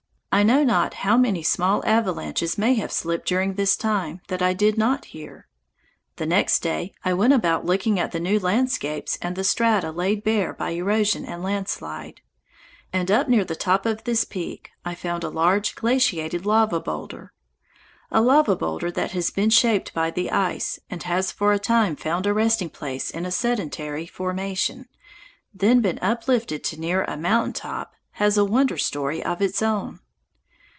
I know not how many small avalanches may have slipped during this time that I did not hear. The next day I went about looking at the new landscapes and the strata laid bare by erosion and landslide, and up near the top of this peak I found a large glaciated lava boulder. A lava boulder that has been shaped by the ice and has for a time found a resting place in a sedentary formation, then been uplifted to near a mountain top, has a wonder story of its own.